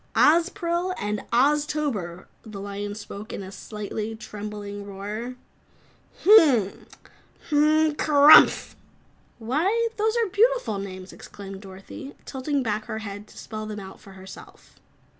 "Ozpril and Oztober!" The lion spoke in a slightly trembling roar. "Mmmn! Mmmnnnnmn! Kerumph!" "Why, those are beautiful names," exclaimed Dorothy, tilting back her head to spell them out for herself.